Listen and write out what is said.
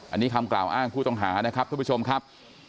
อันนี้คำกล่าวอ้างผู้ต้องหานะครับทุกผู้ชมครับ